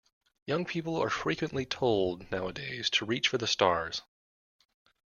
Young people are frequently told nowadays to reach for the stars.